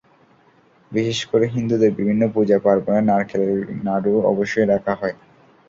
বিশেষ করে হিন্দুদের বিভিন্ন পূজা-পার্বণে নারকেলের নাড়ু অবশ্যই রাখা হয়।